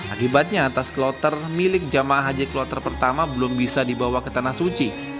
akibatnya tas kloter milik jemaah haji kloter pertama belum bisa dibawa ke tanah suci